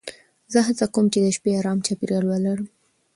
زه هڅه کوم چې د شپې ارام چاپېریال ولرم.